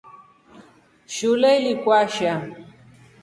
Shule ili kwasha.